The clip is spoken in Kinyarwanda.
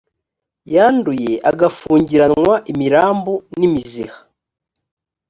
yanduye agafungiranwa ibirambu n imiziha